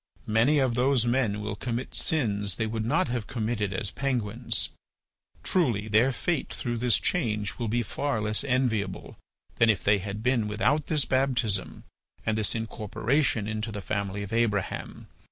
Many of those men will commit sins they would not have committed as penguins. Truly their fate through this change will be far less enviable than if they had been without this baptism and this incorporation into the family of Abraham.